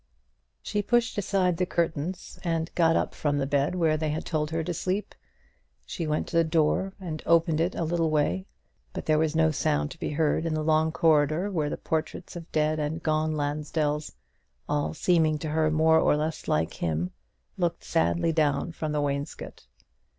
She pushed aside the curtains and got up from the bed where they had told her to sleep. She went to the door and opened it a little way; but there was no sound to be heard in the long corridor where the portraits of dead and gone Lansdells all seeming to her more or less like him looked sadly down from the wainscot.